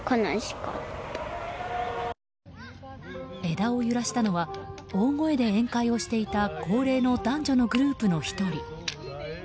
枝を揺らしたのは大声で宴会をしていた高齢の男女のグループの１人。